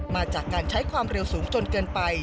มาจากการใช้ความเร็วสูงจนเกินไป